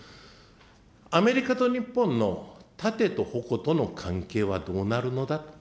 アメリカと日本の盾と矛との関係はどうなるのだと。